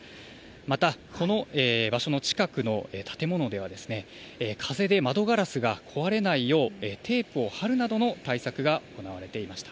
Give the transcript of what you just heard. また、この場所の近くの建物では、風で窓ガラスが壊れないようテープを貼るなどの対策が行われていました。